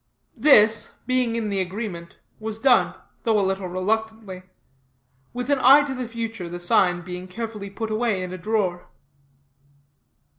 This, being in the agreement, was done though a little reluctantly with an eye to the future, the sign being carefully put away in a drawer.